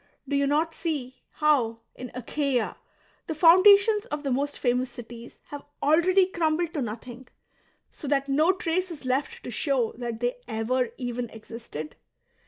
Do you not see how', in Achaia, the foundations of the most famous cities have already crumbled to nothing, so that no trace is left to show that they ever even existed